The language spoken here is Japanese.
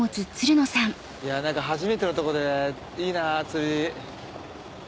何か初めてのとこでいいな釣り。